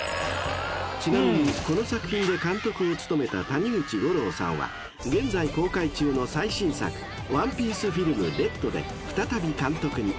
［ちなみにこの作品で監督を務めた谷口悟朗さんは現在公開中の最新作『ＯＮＥＰＩＥＣＥＦＩＬＭＲＥＤ』で再び監督に］